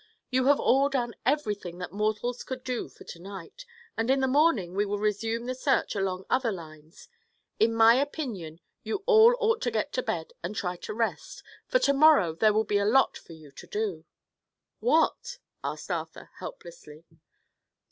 "You have all done everything that mortals could do, for to night, and in the morning we will resume the search along other lines. In my opinion you all ought to get to bed and try to rest, for to morrow there will be a lot for you to do." "What?" asked Arthur helplessly.